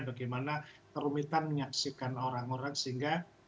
bagaimana kerumitan menyaksikan orang orang sehingga